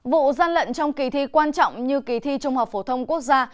vụ gian lận trong kỳ thi quan trọng như kỳ thi trung học phổ thông quốc gia